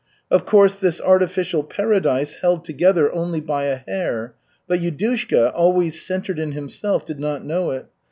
Of course, this artificial paradise held together only by a hair; but Yudushka, always centered in himself, did not know it.